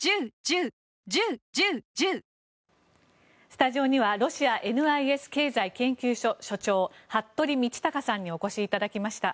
スタジオにはロシアＮＩＳ経済研究所所長服部倫卓さんにお越しいただきました。